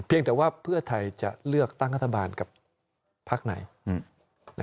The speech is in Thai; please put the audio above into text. เพียงแต่ว่าเพื่อไทยจะเลือกตั้งฆาตบาลกับภาคไหน